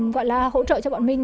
gọi là hỗ trợ cho bọn mình